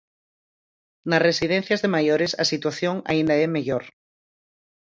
Nas residencias de maiores a situación aínda é mellor.